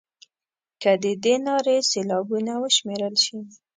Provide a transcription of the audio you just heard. که د دې نارې سېلابونه وشمېرل شي.